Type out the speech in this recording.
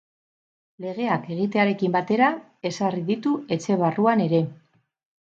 Legeak egitearekin batera ezarri ditu etxe barruan ere.